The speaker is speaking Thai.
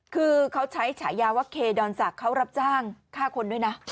คือเขาใช้ฉายาว่าเคดอนศักดิ์เขารับจ้างฆ่าคนด้วยนะ